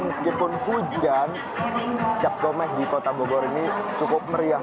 meskipun hujan cap gomeh di kota bogor ini cukup meriah